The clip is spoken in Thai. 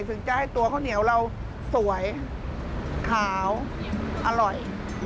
ถึงจะให้ตัวข้าวเหนียวเราสวยขาวอร่อย